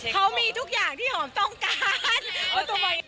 เขามีทุกอย่างที่หอมต้องการ